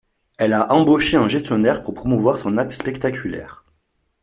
Elle a embauché un gestionnaire pour promouvoir son acte spectaculaire.